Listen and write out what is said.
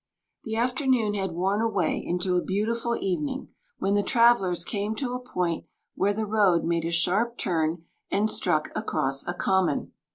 * The afternoon had worn away into a beautiful evening when the travellers came to a point where the road made a sharp turn and struck across a common.